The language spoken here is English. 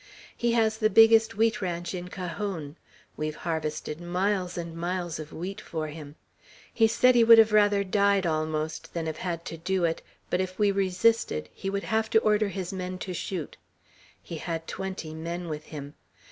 He has the biggest wheat ranch in Cajon; we've harvested miles and miles of wheat for him. He said he would have rather died, almost, than have had it to do; but if we resisted, he would have to order his men to shoot. He had twenty men with him.